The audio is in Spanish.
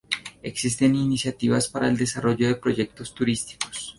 Existen iniciativas para el desarrollo de proyectos turísticos.